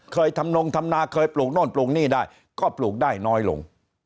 เคยทำนงทำนาเคยปลูกโน่นปลูกหนี้ได้ก็ปลูกได้น้อยลง